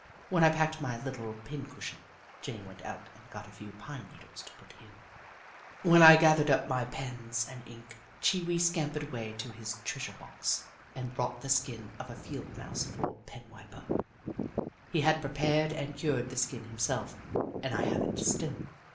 When I packed my little pin cushion, Jenny went out and got a few pine needles to put in ; when I gathered up my pens and ink, Chee Wee scampered away to his treasure box and brought the skin of a Field Mouse for a penwiper. He had prepared and cured the skin himself, and I have it still.